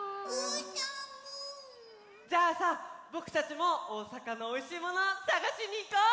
じゃあさぼくたちもおおさかのおいしいものさがしにいこう！